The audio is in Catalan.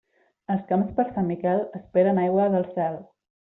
Els camps per Sant Miquel esperen aigua del cel.